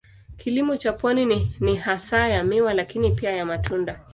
Kilimo cha pwani ni hasa ya miwa lakini pia ya matunda.